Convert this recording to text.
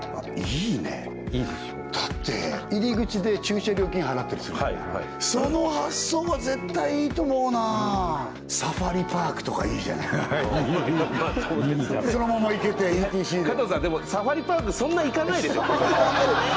いいねいいですよだって入り口で駐車料金払ったりするじゃないその発想は絶対いいと思うなサファリパークとかいいじゃないそのまま行けてＥＴＣで加藤さんでもサファリパークそんな行かないでしょ